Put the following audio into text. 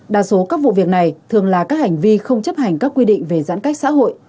đa số các vụ việc này thường là các hành vi không chấp hành các quy định về giãn cách xã hội